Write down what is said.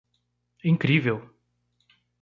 Incrível!